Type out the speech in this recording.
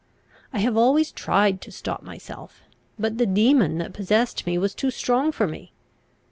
I have always tried to stop myself, but the demon that possessed me was too strong for me.